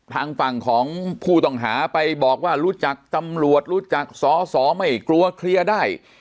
ทางฝั่งของผู้ต้องหาไปบอกว่ารู้จักตำรวจรู้จักสอสอไม่กลัวเคลียร์ได้